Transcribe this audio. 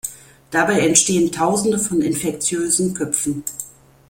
Dabei entstehen tausende von infektiösen Köpfen.